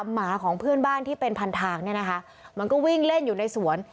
หมาของเพื่อนบ้านที่เป็นพันทางเนี่ยนะคะมันก็วิ่งเล่นอยู่ในสวน